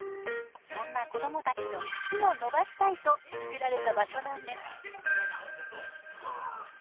そんな子どもたちの「好き」を伸ばしたいと作られた場所なんです。